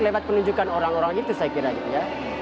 lewat penunjukan orang orang itu saya kira gitu ya